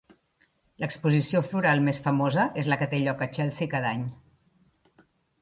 L'exposició floral més famosa és la que té lloc a Chelsea cada any.